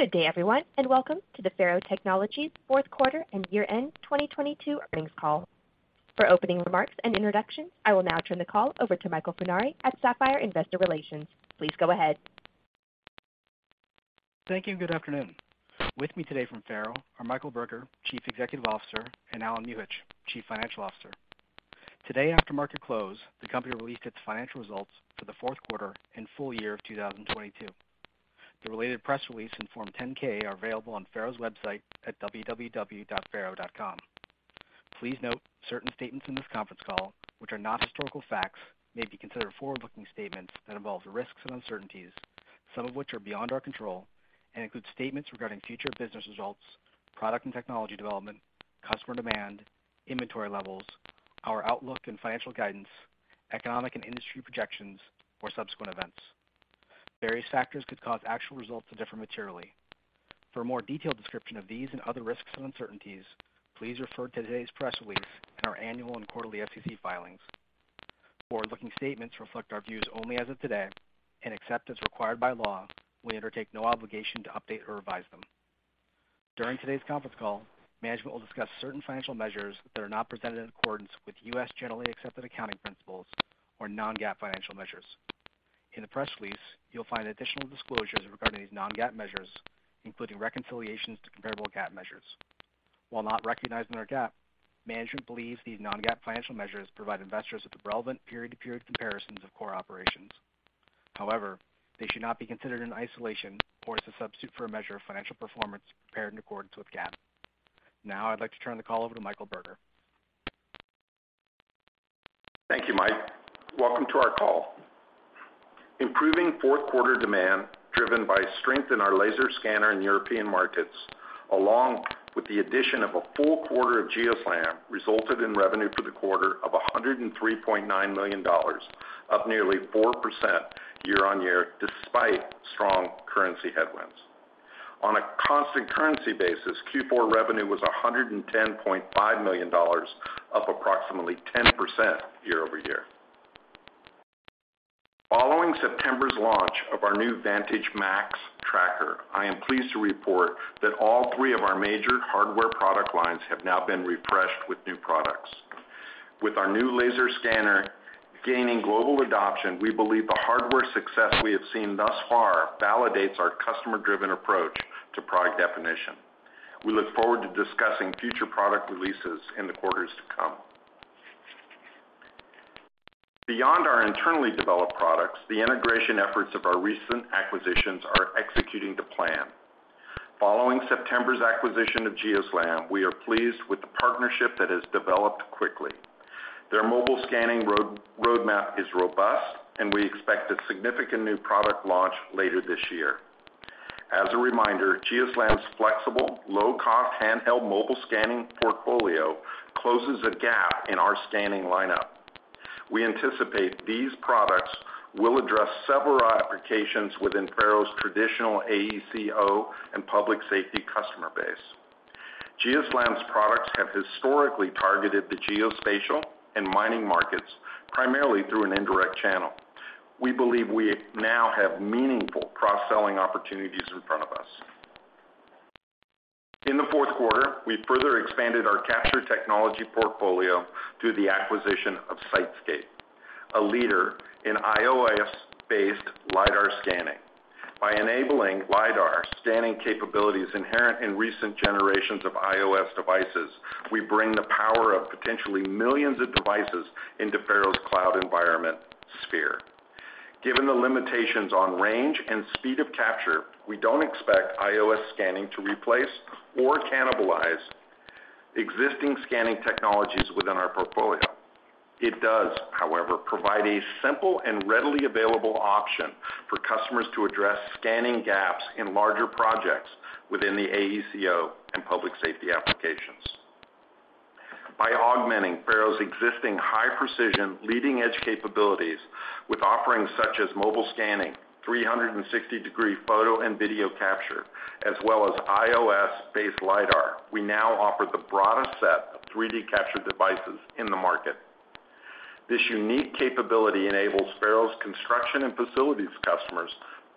Good day, everyone, and welcome to the FARO Technologies Q4 and year-end 2022 earnings call. For opening remarks and introductions, I will now turn the call over to Michael Funari at Sapphire Investor Relations. Please go ahead. Thank you, and good afternoon. With me today from FARO are Michael Burger, Chief Executive Officer, and Allen Muhich, Chief Financial Officer. Today, after market close, the company released its financial results for the Q4 and full year of 2022. The related press release in Form 10-K are available on FARO's website at www.faro.com. Please note, certain statements in this conference call, which are not historical facts, may be considered forward-looking statements that involve risks and uncertainties, some of which are beyond our control, and include statements regarding future business results, product and technology development, customer demand, inventory levels, our outlook and financial guidance, economic and industry projections, or subsequent events. Various factors could cause actual results to differ materially. For a more detailed description of these and other risks and uncertainties, please refer to today's press release and our annual and quarterly SEC filings. Forward-looking statements reflect our views only as of today, and except as required by law, we undertake no obligation to update or revise them. During today's conference call, management will discuss certain financial measures that are not presented in accordance with U.S. Generally Accepted Accounting Principles or non-GAAP financial measures. In the press release, you'll find additional disclosures regarding these non-GAAP measures, including reconciliations to comparable GAAP measures. While not recognized in our GAAP, management believes these non-GAAP financial measures provide investors with the relevant period-to-period comparisons of core operations. They should not be considered in isolation or as a substitute for a measure of financial performance prepared in accordance with GAAP. I'd like to turn the call over to Michael Burger. Thank you, Mike. Welcome to our call. Improving Q4 demand, driven by strength in our laser scanner in European markets, along with the addition of a full quarter of GeoSLAM, resulted in revenue for the quarter of $103.9 million, up nearly 4% year-on-year, despite strong currency headwinds. On a constant currency basis, Q4 revenue was $110.5 million, up approximately 10% year-over-year. Following September's launch of our new Vantage Max tracker, I am pleased to report that all three of our major hardware product lines have now been refreshed with new products. With our new laser scanner gaining global adoption, we believe the hardware success we have seen thus far validates our customer-driven approach to product definition. We look forward to discussing future product releases in the quarters to come. Beyond our internally developed products, the integration efforts of our recent acquisitions are executing to plan. Following September's acquisition of GeoSLAM, we are pleased with the partnership that has developed quickly. Their mobile scanning roadmap is robust, and we expect a significant new product launch later this year. As a reminder, GeoSLAM's flexible, low-cost handheld mobile scanning portfolio closes a gap in our scanning lineup. We anticipate these products will address several applications within FARO's traditional AECO and public safety customer base. GeoSLAM's products have historically targeted the geospatial and mining markets primarily through an indirect channel. We believe we now have meaningful cross-selling opportunities in front of us. In the Q4, we further expanded our capture technology portfolio through the acquisition of SiteScape, a leader in iOS-based LiDAR scanning. By enabling LiDAR scanning capabilities inherent in recent generations of iOS devices, we bring the power of potentially millions of devices into FARO's cloud environment, Sphere. Given the limitations on range and speed of capture, we don't expect iOS scanning to replace or cannibalize existing scanning technologies within our portfolio. It does, however, provide a simple and readily available option for customers to address scanning gaps in larger projects within the AECO and public safety applications. By augmenting FARO's existing high-precision leading-edge capabilities with offerings such as mobile scanning, 360-degree photo and video capture, as well as iOS-based LiDAR, we now offer the broadest set of 3D capture devices in the market. This unique capability enables FARO's construction and facilities customers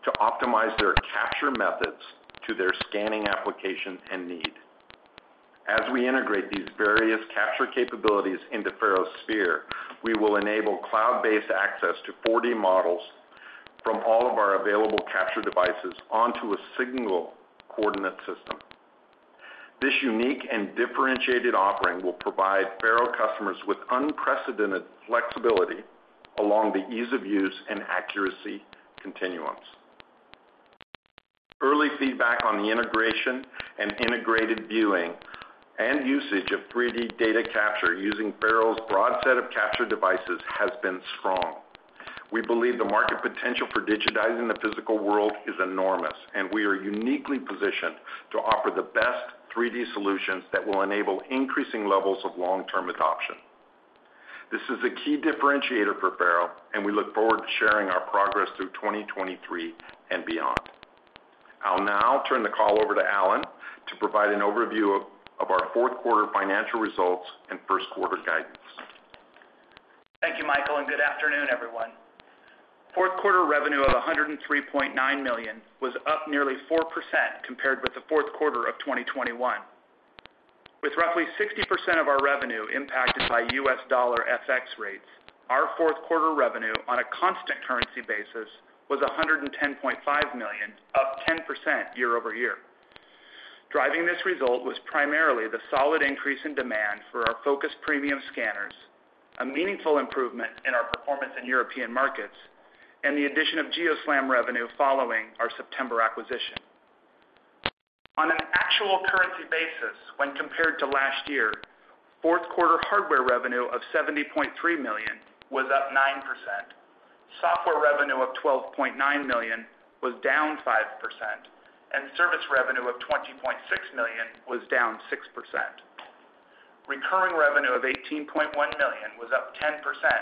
to optimize their capture methods to their scanning application and need. As we integrate these various capture capabilities into FARO Sphere, we will enable cloud-based access to 4D models from all of our available capture devices onto a single coordinate system. This unique and differentiated offering will provide FARO customers with unprecedented flexibility along the ease-of-use and accuracy continuums. Early feedback on the integration and integrated viewing and usage of 3D data capture using FARO's broad set of capture devices has been strong. We believe the market potential for digitizing the physical world is enormous, and we are uniquely positioned to offer the best 3D solutions that will enable increasing levels of long-term adoption. This is a key differentiator for FARO, and we look forward to sharing our progress through 2023 and beyond. I'll now turn the call over to Allen to provide an overview of our Q4 financial results and Q1 guidance. Thank you, Michael. Good afternoon, everyone. Q4 revenue of $103.9 million was up nearly 4% compared with the Q4 of 2021. With roughly 60% of our revenue impacted by US dollar FX rates, our Q4 revenue on a constant currency basis was $110.5 million, up 10% year-over-year. Driving this result was primarily the solid increase in demand for our Focus Premium scanners, a meaningful improvement in our performance in European markets, and the addition of GeoSLAM revenue following our September acquisition. On an actual currency basis, when compared to last year, Q4 hardware revenue of $70.3 million was up 9%. Software revenue of $12.9 million was down 5%. Service revenue of $20.6 million was down 6%. Recurring revenue of $18.1 million was up 10%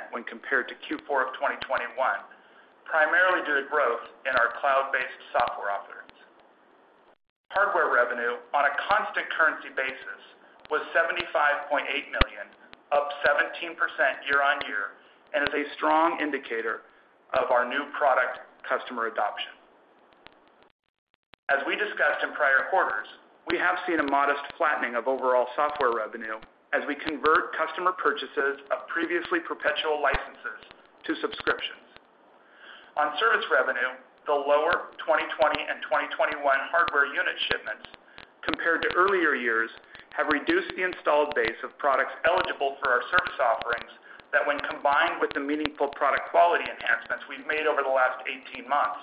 when compared to Q4 of 2021, primarily due to growth in our cloud-based software offerings. Hardware revenue on a constant currency basis was $75.8 million, up 17% year-on-year, is a strong indicator of our new product customer adoption. As we discussed in prior quarters, we have seen a modest flattening of overall software revenue as we convert customer purchases of previously perpetual licenses to subscriptions. On service revenue, the lower 2020 and 2021 hardware unit shipments compared to earlier years have reduced the installed base of products eligible for our service offerings that when combined with the meaningful product quality enhancements we've made over the last 18 months,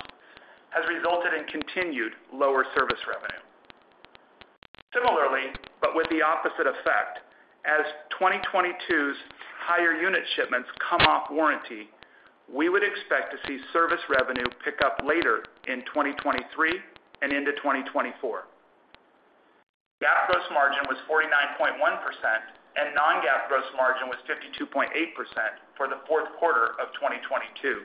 has resulted in continued lower service revenue. Similarly, but with the opposite effect, as 2022's higher unit shipments come off warranty, we would expect to see service revenue pick up later in 2023 and into 2024. GAAP gross margin was 49.1%, and non-GAAP gross margin was 52.8% for the Q4 of 2022.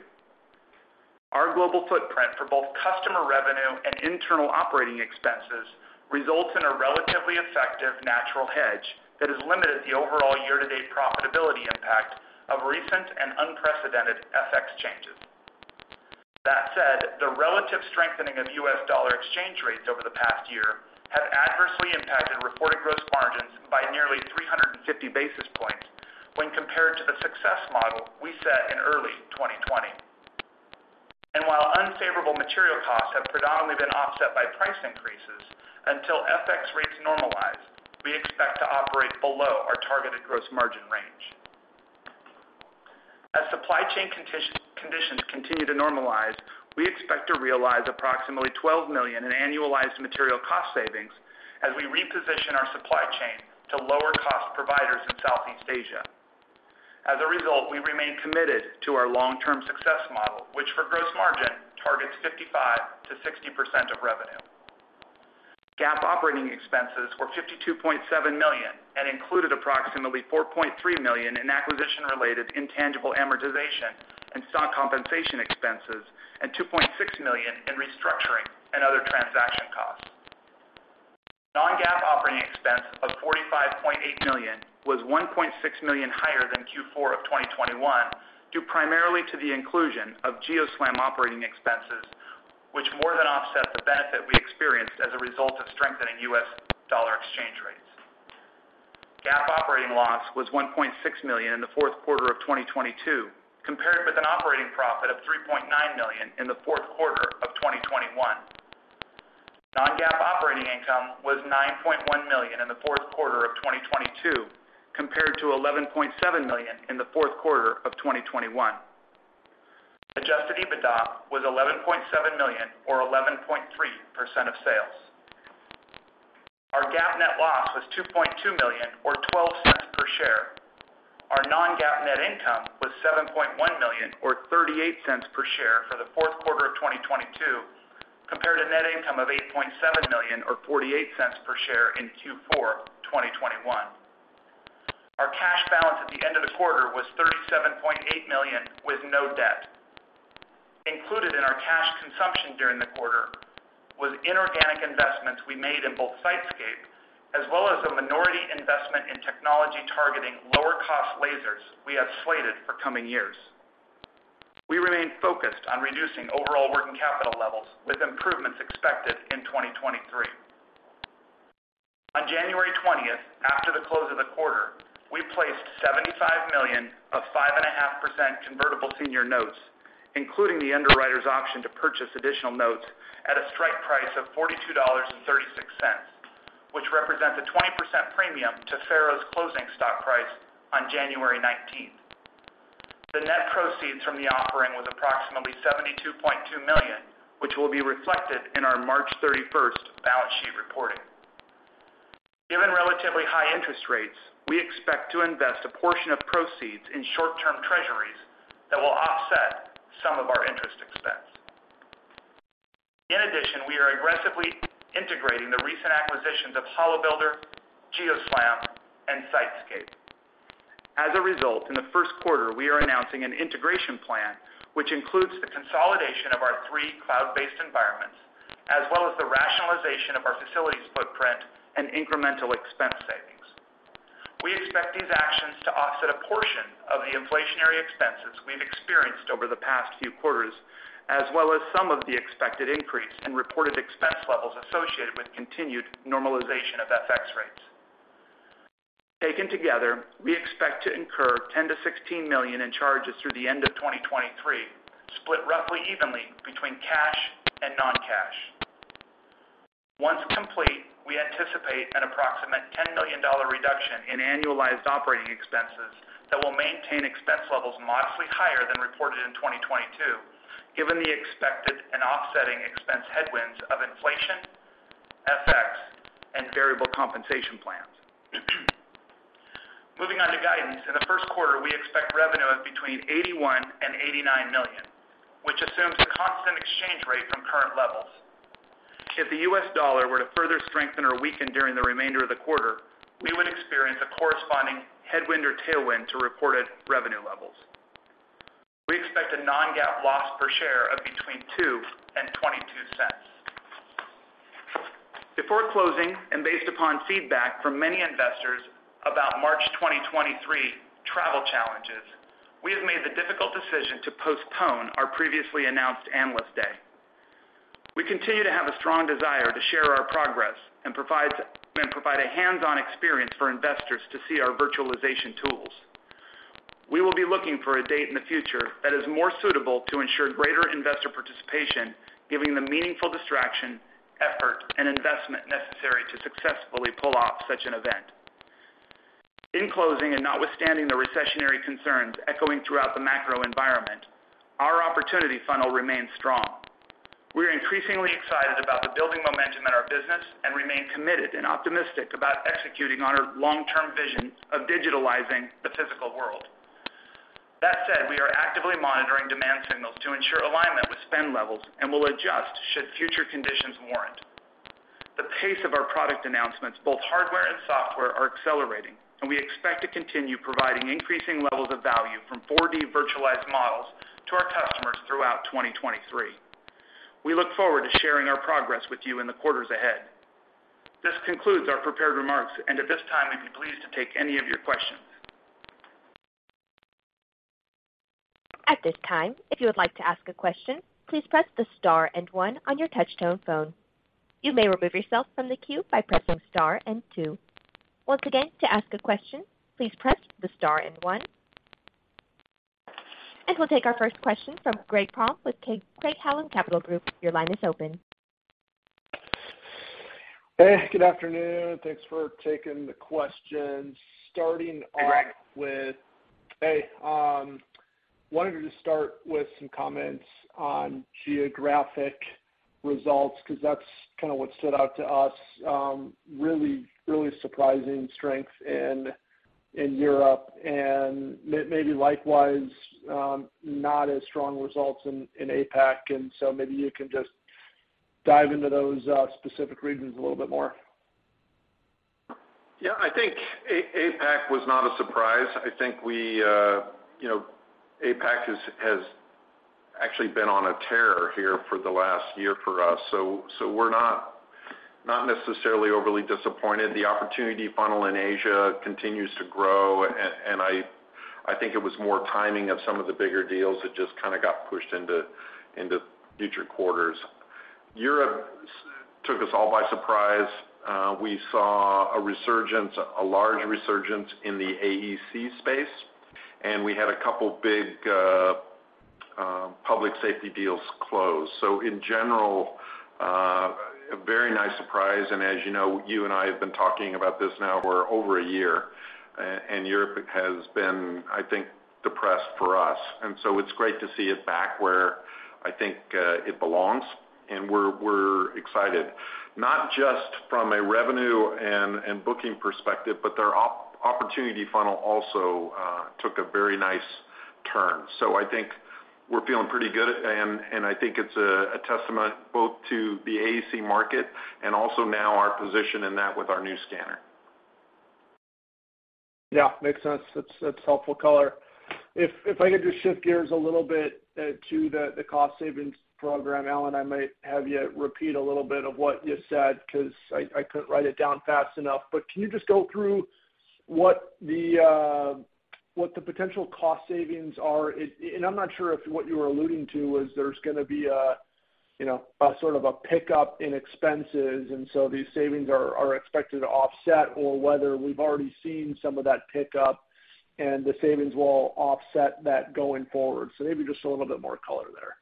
Our global footprint for both customer revenue and internal operating expenses results in a relatively effective natural hedge that has limited the overall year-to-date profitability impact of recent and unprecedented FX changes. The relative strengthening of US dollar exchange rates over the past year have adversely impacted reported gross margins by nearly 350 basis points when compared to the success model we set in early 2020. While unfavorable material costs have predominantly been offset by price increases, until FX rates normalize, we expect to operate below our targeted gross margin range. As supply chain conditions continue to normalize, we expect to realize approximately $12 million in annualized material cost savings as we reposition our supply chain to lower cost providers in Southeast Asia. As a result, we remain committed to our long-term success model, which for gross margin targets 55%-60% of revenue. GAAP operating expenses were $52.7 million and included approximately $4.3 million in acquisition-related intangible amortization and stock compensation expenses and $2.6 million in restructuring and other transaction costs. Non-GAAP operating expense of $45.8 million was $1.6 million higher than Q4 of 2021, due primarily to the inclusion of GeoSLAM operating expenses, which more than offset the benefit we experienced as a result of strengthening US dollar exchange rates. GAAP operating loss was $1.6 million in the Q4 of 2022, compared with an operating profit of $3.9 million in the Q4 of 2021. Non-GAAP operating income was $9.1 million in the Q4 of 2022, compared to $11.7 million in the Q4 of 2021. Adjusted EBITDA was $11.7 million or 11.3% of sales. Our GAAP net loss was $2.2 million or $0.12 per share. Our non-GAAP net income was $7.1 million or $0.38 per share for the Q4 of 2022, compared to net income of $8.7 million or $0.48 per share in Q4 of 2021. Our cash balance at the end of the quarter was $37.8 million with no debt. Included in our cash consumption during the quarter was inorganic investments we made in both SiteScape as well as a minority investment in technology targeting lower cost lasers we have slated for coming years. We remain focused on reducing overall working capital levels with improvements expected in 2023. On January 20th, after the close of the quarter, we placed $75 million of 5.5% convertible senior notes, including the underwriter's option to purchase additional notes at a strike price of $42.36, which represents a 20% premium to FARO's closing stock price on January 19th. The net proceeds from the offering was approximately $72.2 million, which will be reflected in our March 31st balance sheet reporting. Given relatively high interest rates, we expect to invest a portion of proceeds in short-term treasuries that will offset some of our interest expense. We are aggressively integrating the recent acquisitions of HoloBuilder, GeoSLAM, and SiteScape. In the 1st quarter, we are announcing an integration plan which includes the consolidation of our three cloud-based environments as well as the rationalization of our facilities footprint and incremental expense savings. We expect these actions to offset a portion of the inflationary expenses we've experienced over the past few quarters, as well as some of the expected increase in reported expense levels associated with continued normalization of FX rates. Taken together, we expect to incur $10 million-$16 million in charges through the end of 2023, split roughly evenly between cash and non-cash. Once complete, we anticipate an approximate $10 million reduction in annualized operating expenses that will maintain expense levels modestly higher than reported in 2022, given the expected and offsetting expense headwinds of inflation, FX, and variable compensation plans. Moving on to guidance. In the Q1, we expect revenue of between $81 million and $89 million, which assumes a constant exchange rate from current levels. If the US dollar were to further strengthen or weaken during the remainder of the quarter, we would experience a corresponding headwind or tailwind to reported revenue levels. We expect a non-GAAP loss per share of between 2 and $0.22. Before closing, based upon feedback from many investors about March 2023 travel challenges, we have made the difficult decision to postpone our previously announced Analyst Day. We continue to have a strong desire to share our progress and provide a hands-on experience for investors to see our virtualization tools. We will be looking for a date in the future that is more suitable to ensure greater investor participation, giving the meaningful distraction, effort, and investment necessary to successfully pull off such an event. In closing, notwithstanding the recessionary concerns echoing throughout the macro environment, our opportunity funnel remains strong. We're increasingly excited about the building momentum in our business and remain committed and optimistic about executing on our long-term vision of digitalizing the physical world. That said, we are actively monitoring demand signals to ensure alignment with spend levels and will adjust should future conditions warrant. The pace of our product announcements, both hardware and software, are accelerating, and we expect to continue providing increasing levels of value from 4D virtualized models to our customers throughout 2023. We look forward to sharing our progress with you in the quarters ahead. This concludes our prepared remarks. At this time, we'd be pleased to take any of your questions. At this time, if you would like to ask a question, please press star and 1 on your touch-tone phone. You may remove yourself from the queue by pressing star and 2. Once again, to ask a question, please press star and 1. We'll take our first question from Greg Palm with Craig-Hallum Capital Group. Your line is open. Hey, good afternoon. Thanks for taking the questions. Starting off with- Hey, Greg. Hey, wanted to start with some comments on geographic results, 'cause that's kinda what stood out to us, really surprising strength in Europe and maybe likewise, not as strong results in APAC. Maybe you can just dive into those specific regions a little bit more. Yeah. I think APAC was not a surprise. We, you know, APAC has actually been on a tear here for the last year for us, so we're not necessarily overly disappointed. The opportunity funnel in Asia continues to grow and I think it was more timing of some of the bigger deals that just kinda got pushed into future quarters. Europe took us all by surprise. We saw a resurgence, a large resurgence in the AEC space, and we had a couple big public safety deals close. In general, a very nice surprise. As you know, you and I have been talking about this now for over a year. Europe has been depressed for us. It's great to see it back where I think it belongs. We're excited, not just from a revenue and booking perspective, but their opportunity funnel also took a very nice turn. We're feeling pretty good and I think it's a testament both to the AEC market and also now our position in that with our new scanner. Yeah, makes sense. That's, that's helpful color. If I could just shift gears a little bit, to the cost savings program. Allen, I might have you repeat a little bit of what you said 'cause I couldn't write it down fast enough. Can you just go through what the, what the potential cost savings are? I'm not sure if what you were alluding to was there's gonna be a, you know, a sort of a pickup in expenses, and so these savings are expected to offset, or whether we've already seen some of that pickup and the savings will offset that going forward. Maybe just a little bit more color there.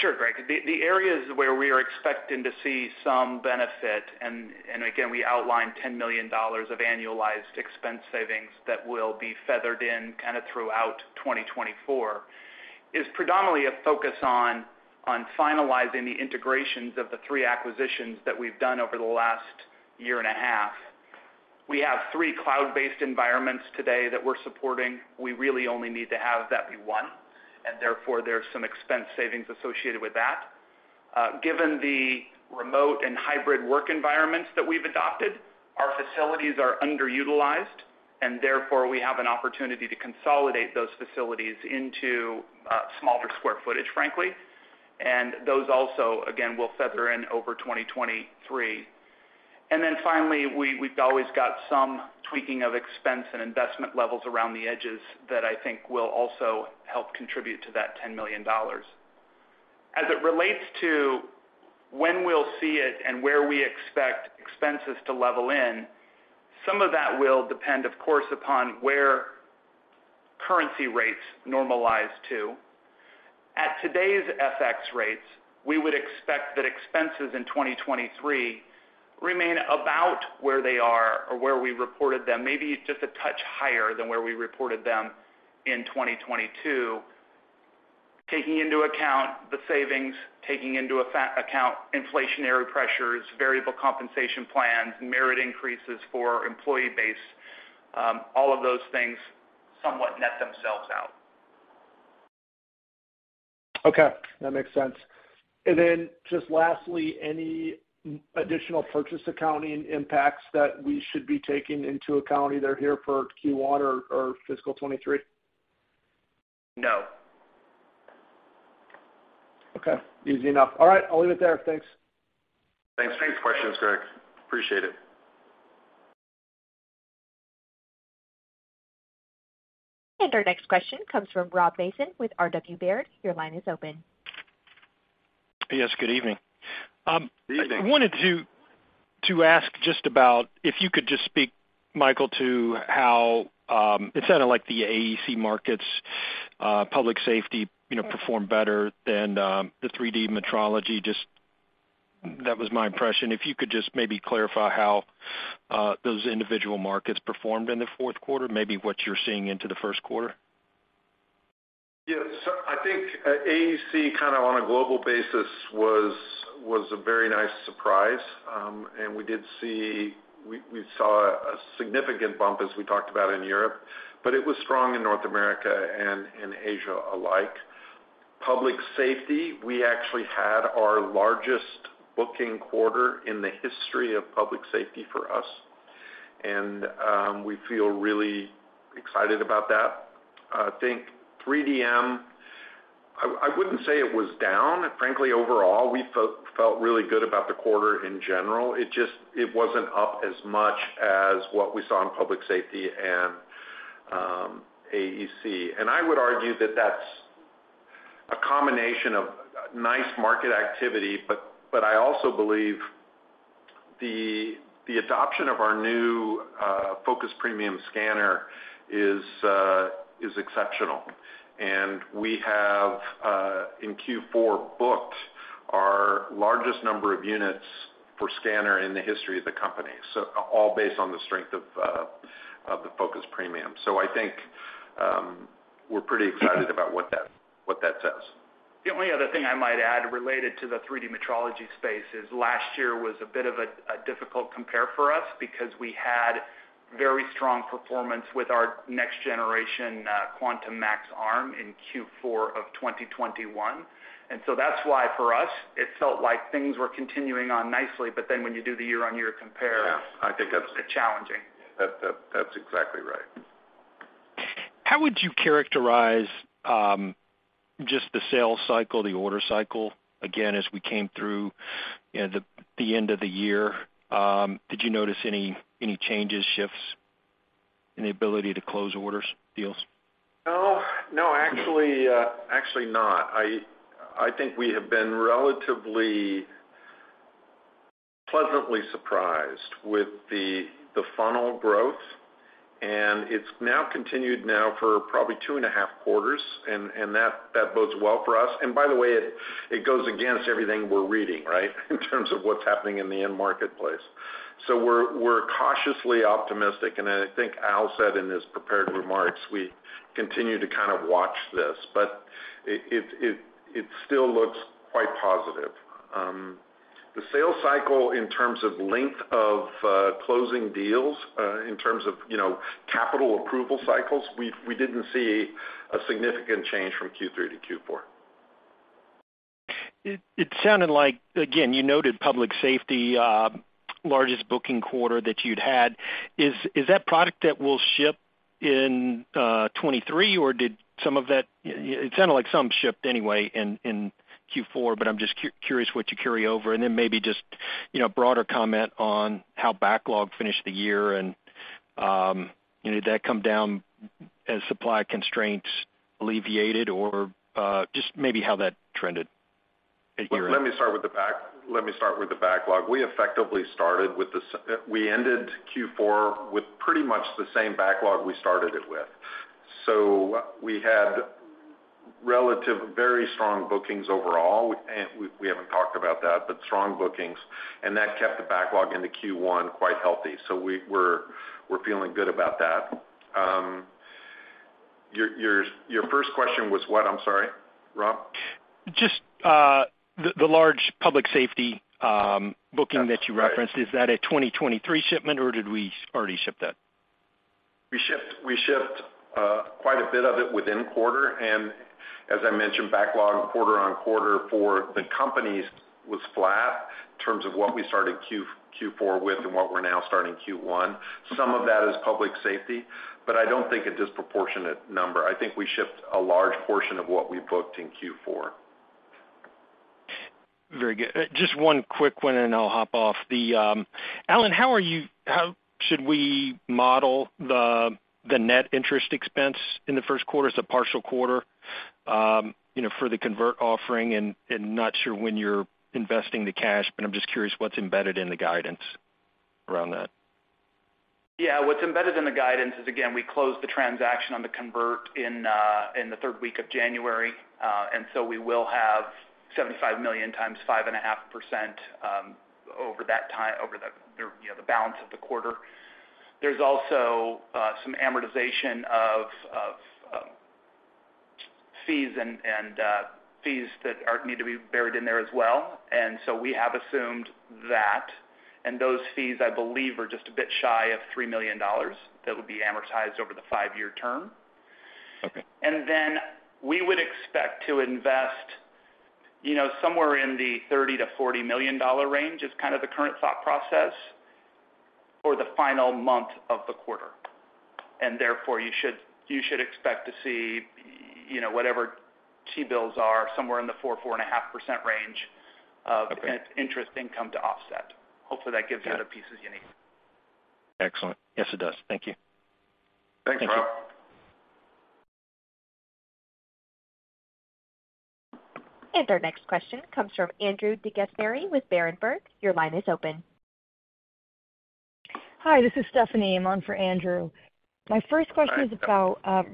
Sure, Greg. The areas where we are expecting to see some benefit, and again, we outlined $10 million of annualized expense savings that will be feathered in kinda throughout 2024, is predominantly a focus on finalizing the integrations of the three acquisitions that we've done over the last year and a half. We have three cloud-based environments today that we're supporting. We really only need to have that be one, and therefore there's some expense savings associated with that. Given the remote and hybrid work environments that we've adopted, our facilities are underutilized, and therefore we have an opportunity to consolidate those facilities into smaller square footage, frankly. Those also, again, will feather in over 2023. Finally, we've always got some tweaking of expense and investment levels around the edges that will also help contribute to that $10 million. As it relates to when we'll see it and where we expect expenses to level in, some of that will depend, of course, upon where currency rates normalize to. At today's FX rates, we would expect that expenses in 2023 remain about where they are or where we reported them, maybe just a touch higher than where we reported them in 2022. Taking into account the savings, taking into account inflationary pressures, variable compensation plans, merit increases for employee base, all of those things somewhat net themselves out. Okay, that makes sense. Just lastly, any additional purchase accounting impacts that we should be taking into account either here for Q1 or fiscal 23? No. Okay, easy enough. All right, I'll leave it there. Thanks. Thanks. Thanks for the questions, Greg. Appreciate it. Our next question comes from Rob Mason with RW Baird. Your line is open. Yes, good evening. Evening. I wanted to ask just about if you could just speak, Michael, to how it sounded like the AEC markets, public safety, you know, performed better than the 3D metrology. That was my impression. If you could just maybe clarify how those individual markets performed in the Q4, maybe what you're seeing into the Q1? Yeah. I think AEC kind of on a global basis was a very nice surprise. We saw a significant bump as we talked about in Europe, but it was strong in North America and in Asia alike. Public safety, we actually had our largest booking quarter in the history of public safety for us, and we feel really excited about that. I think 3D metrology, I wouldn't say it was down, frankly, overall, we felt really good about the quarter in general. It just wasn't up as much as what we saw in public safety and AEC. I would argue that that's a combination of nice market activity, but I also believe the adoption of our new Focus Premium scanner is exceptional. We have, in Q4, booked our largest number of units for scanner in the history of the company. All based on the strength of the Focus Premium. I think, we're pretty excited about what that, what that says. The only other thing I might add related to the 3D metrology space is last year was a bit of a difficult compare for us because we had very strong performance with our next generation Quantum Max FaroArm in Q4 of 2021. That's why for us, it felt like things were continuing on nicely. When you do the year-over-year compare. Yeah, I think. It's challenging. That's exactly right. How would you characterize, just the sales cycle, the order cycle? As we came through, you know, the end of the year, did you notice any changes, shifts in the ability to close orders, deals? No, no, actually not. We have been relatively pleasantly surprised with the funnel growth, and it's now continued now for probably 2 and a half quarters, and that bodes well for us. By the way, it goes against everything we're reading, right, in terms of what's happening in the end marketplace. We're cautiously optimistic, and I think Al said in his prepared remarks, we continue to kind of watch this. It still looks quite positive. The sales cycle in terms of length of closing deals, in terms of, you know, capital approval cycles, we didn't see a significant change from Q3 to Q4. It sounded like, again, you noted public safety, largest booking quarter that you'd had. Is that product that will ship in 23, or did some of that... It sounded like some shipped anyway in Q4, but I'm just curious what you carry over? Then maybe just, you know, broader comment on how backlog finished the year and, you know, did that come down as supply constraints alleviated or, just maybe how that trended year over year? Let me start with the backlog. We effectively ended Q4 with pretty much the same backlog we started it with. We had relative very strong bookings overall. We haven't talked about that, but strong bookings. That kept the backlog into Q1 quite healthy. We're feeling good about that. Your first question was what? I'm sorry, Rob. Just, the large public safety, booking that you referenced. Is that a 2023 shipment, or did we already ship that? We shipped quite a bit of it within quarter. As I mentioned, backlog quarter-on-quarter for the companies was flat in terms of what we started Q4 with and what we're now starting Q1. Some of that is public safety. I don't think a disproportionate number. I think we shipped a large portion of what we booked in Q4. Very good. Just one quick one, and then I'll hop off. Allen, how should we model the net interest expense in the Q1 as a partial quarter, you know, for the convert offering? Not sure when you're investing the cash, but I'm just curious what's embedded in the guidance around that. Yeah. What's embedded in the guidance is, again, we closed the transaction on the convert in the third week of January, we will have $75 million times 5.5% over that time, over the balance of the quarter. There's also some amortization of fees and fees that are need to be buried in there as well. we have assumed that. those fees, I believe, are just a bit shy of $3 million that would be amortized over the five-year term. Okay. We would expect to invest somewhere in the $30 million-$40 million range is kind of the current thought process for the final month of the quarter. Therefore, you should expect to see, you know, whatever T-bills are somewhere in the 4%-4.5% range. Okay. Interest income to offset. Hopefully that gives the other pieces you need. Excellent. Yes, it does. Thank you. Thanks, Rob. Thank you. Our next question comes from Andrew Buscaglia with Berenberg. Your line is open. Hi, this is Stephanie. I'm on for Andrew. My first question is about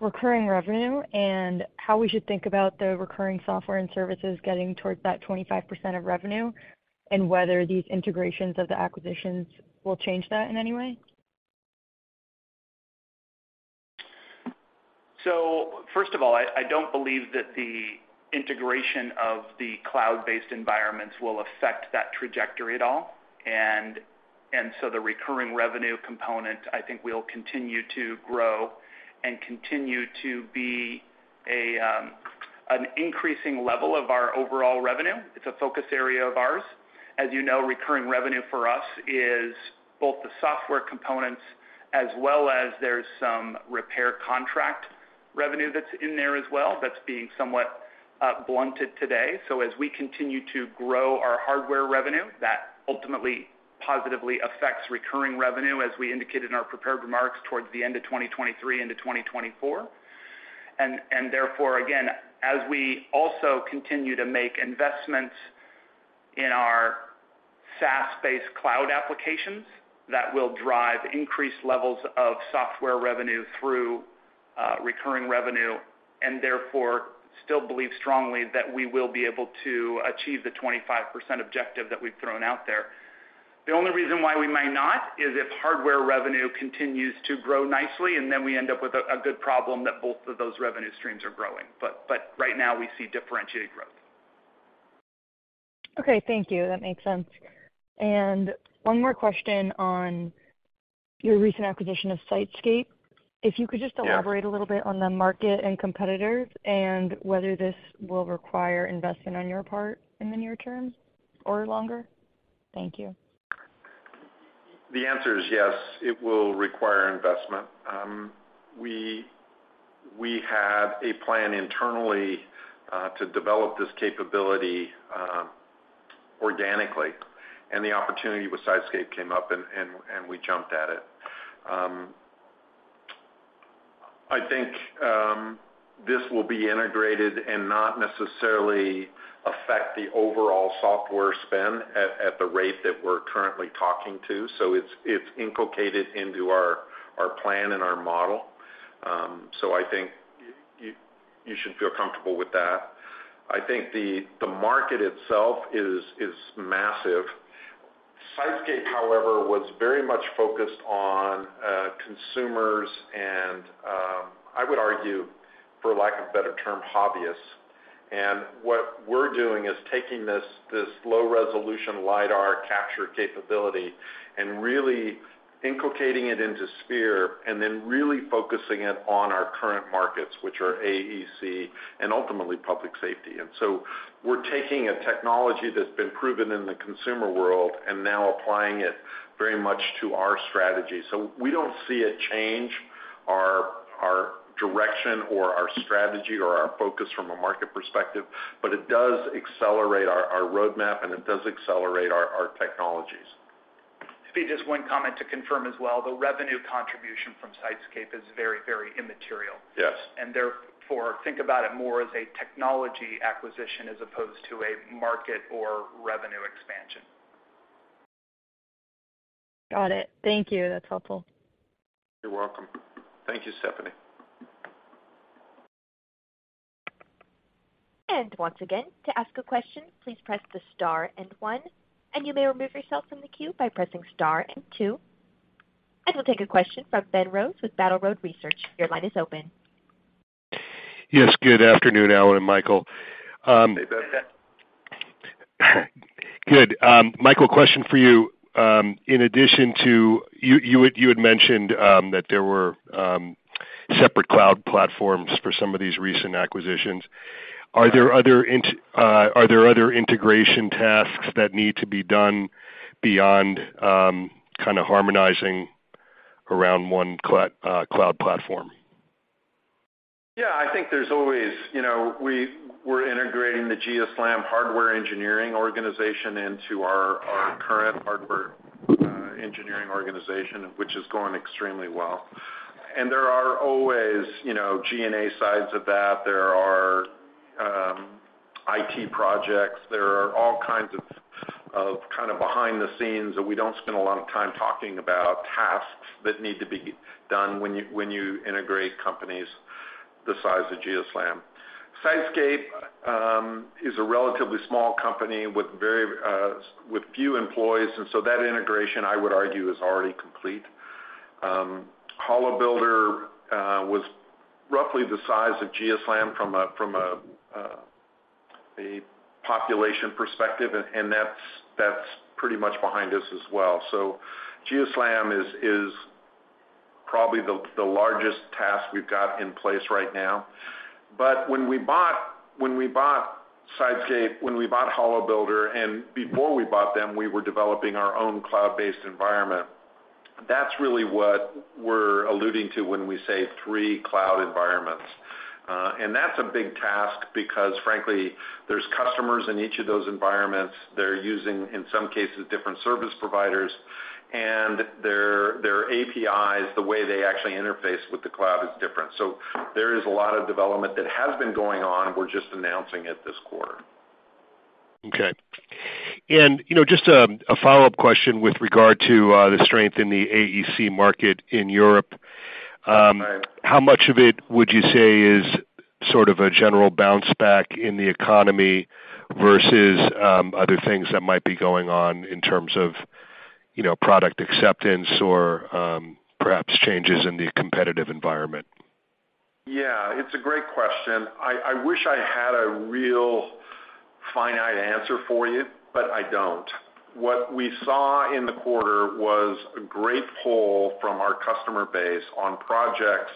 recurring revenue and how we should think about the recurring software and services getting towards that 25% of revenue, and whether these integrations of the acquisitions will change that in any way. First of all, I don't believe that the integration of the cloud-based environments will affect that trajectory at all. The recurring revenue component will continue to grow and continue to be an increasing level of our overall revenue. It's a focus area of ours. As you know, recurring revenue for us is both the software components as well as there's some repair contract revenue that's in there as well that's being somewhat blunted today. As we continue to grow our hardware revenue, that ultimately positively affects recurring revenue, as we indicated in our prepared remarks towards the end of 2023 into 2024. Therefore, again, as we also continue to make investments in our SaaS-based cloud applications, that will drive increased levels of software revenue through recurring revenue, and therefore still believe strongly that we will be able to achieve the 25% objective that we've thrown out there. The only reason why we may not is if hardware revenue continues to grow nicely, and then we end up with a good problem that both of those revenue streams are growing. Right now, we see differentiated growth. Okay. Thank you. That makes sense. One more question on your recent acquisition of SiteScape. Yes. If you could just elaborate a little bit on the market and competitors and whether this will require investment on your part in the near term or longer? Thank you. The answer is yes, it will require investment. We had a plan internally to develop this capability organically, and the opportunity with SiteScape came up and we jumped at it. I think this will be integrated and not necessarily affect the overall software spend at the rate that we're currently talking to. It's inculcated into our plan and our model. You should feel comfortable with that. I think the market itself is massive. SiteScape, however, was very much focused on consumers, and I would argue, for lack of a better term, hobbyists. What we're doing is taking this low-resolution LiDAR capture capability and really inculcating it into Sphere and then really focusing it on our current markets, which are AEC and ultimately public safety. We're taking a technology that's been proven in the consumer world and now applying it very much to our strategy. We don't see it change our direction or our strategy or our focus from a market perspective, but it does accelerate our roadmap, and it does accelerate our technologies. Maybe just one comment to confirm as well, the revenue contribution from SiteScape is very, very immaterial. Yes. Therefore, think about it more as a technology acquisition as opposed to a market or revenue expansion. Got it. Thank you. That's helpful. You're welcome. Thank you, Stephanie. Once again, to ask a question, please press the star and one, and you may remove yourself from the queue by pressing star and two. We'll take a question from Ben Rose with Battle Road Research. Your line is open. Yes, good afternoon, Allen and Michael. Hey, Ben. Good. Michael, question for you. In addition to you had mentioned that there were separate cloud platforms for some of these recent acquisitions. Are there other integration tasks that need to be done beyond kind of harmonizing around one cloud platform? Yeah, I think there's always... We're integrating the GeoSLAM hardware engineering organization into our current hardware, engineering organization, which is going extremely well. There are always, you know, G&A sides of that. There are IT projects. There are all kinds of kind of behind the scenes that we don't spend a lot of time talking about tasks that need to be done when you integrate companies the size of GeoSLAM. SiteScape is a relatively small company with very, with few employees, and so that integration, I would argue, is already complete. HoloBuilder was roughly the size of GeoSLAM from a population perspective, and that's pretty much behind us as well. GeoSLAM is probably the largest task we've got in place right now. When we bought SiteScape, when we bought HoloBuilder, and before we bought them, we were developing our own cloud-based environment. That's really what we're alluding to when we say three cloud environments. That's a big task because, frankly, there's customers in each of those environments. They're using, in some cases, different service providers. Their APIs, the way they actually interface with the cloud is different. There is a lot of development that has been going on. We're just announcing it this quarter. Okay. Just a follow-up question with regard to the strength in the AEC market in Europe. How much of it would you say is sort of a general bounce back in the economy versus other things that might be going on in terms of product acceptance or perhaps changes in the competitive environment? Yeah, it's a great question. I wish I had a real finite answer for you, but I don't. What we saw in the quarter was a great pull from our customer base on projects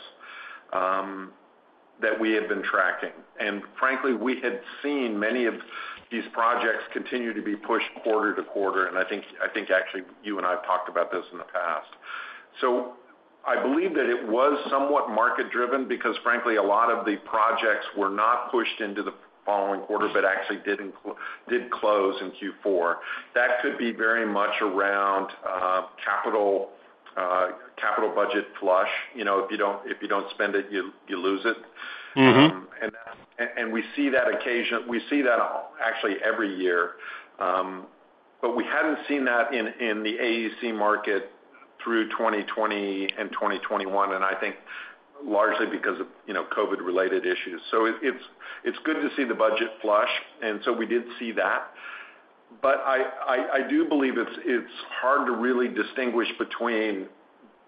that we had been tracking. Frankly, we had seen many of these projects continue to be pushed quarter to quarter. I think actually you and I have talked about this in the past. I believe that it was somewhat market-driven because, frankly, a lot of the projects were not pushed into the following quarter, but actually did close in Q4. That could be very much around capital capital budget flush. If you don't spend it, you lose it. Mm-hmm. We see that actually every year. We hadn't seen that in the AEC market through 2020 and 2021, and I think largely because of, you know, COVID-related issues. It's good to see the budget flush. We did see that. I do believe it's hard to really distinguish between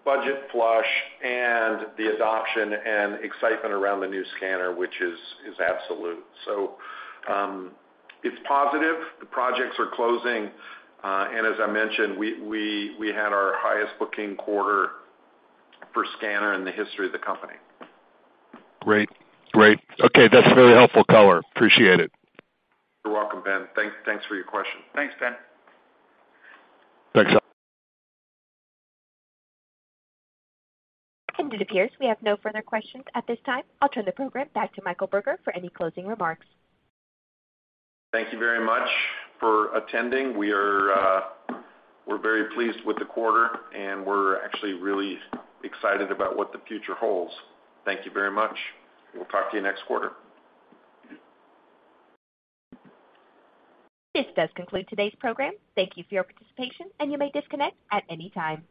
budget flush and the adoption and excitement around the new scanner, which is absolute. It's positive. The projects are closing. As I mentioned, we had our highest booking quarter for scanner in the history of the company. Great. Okay. That's really helpful color. Appreciate it. You're welcome, Ben. Thanks for your question. Thanks, Ben. Thanks a- It appears we have no further questions at this time. I'll turn the program back to Michael Burger for any closing remarks. Thank you very much for attending. We're very pleased with the quarter. We're actually really excited about what the future holds. Thank you very much. We'll talk to you next quarter. This does conclude today's program. Thank Thank you for your participation, and you may disconnect at any time.